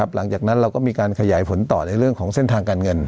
หลังจากนั้นเราก็มีการขยายผลต่อในเรื่องของเส้นทางการเงิน